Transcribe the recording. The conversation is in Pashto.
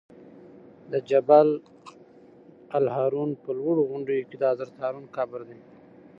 د جبل الهارون په لوړو غونډیو کې د حضرت هارون قبر دی.